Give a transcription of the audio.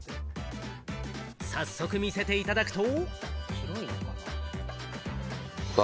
早速見せていただくと。